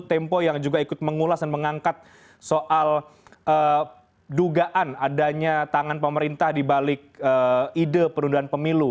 tempo yang juga ikut mengulas dan mengangkat soal dugaan adanya tangan pemerintah dibalik ide penundaan pemilu